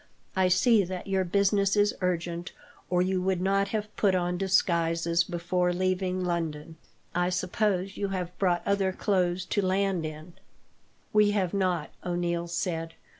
I see that your business is urgent, or you would not have put on disguises before leaving London. I suppose you have brought other clothes to land in?" "We have not," O'Neil said.